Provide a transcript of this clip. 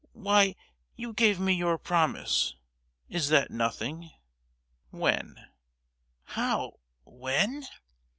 Why, you gave me your promise—is that nothing?" "When?" "How, when?"